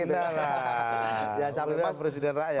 jangan capek pak presiden raya